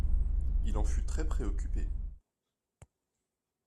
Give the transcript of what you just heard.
il en fut très préoccupé.